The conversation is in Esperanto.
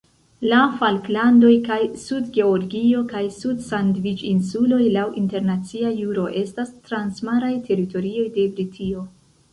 La Falklandoj kaj Sud-Georgio kaj Sud-Sandviĉinsuloj laŭ internacia juro estas transmaraj teritorioj de Britio.